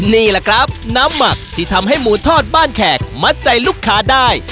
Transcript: นี่แหละครับน้ำหมักที่ทำให้หมูทอดบ้านแขกมัดใจลูกค้าได้